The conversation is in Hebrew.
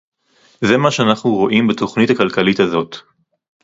זה מה שאנחנו רואים בתוכנית הכלכלית הזאת